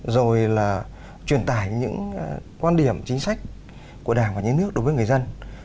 rồi là truyền tải những quan điểm chính sách của đảng và những nước đối với người dân